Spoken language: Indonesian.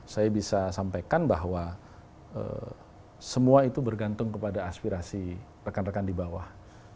saya bisa sampaikan bahwa semua itu bergantung kepada aspirasi rekan rekan di bawah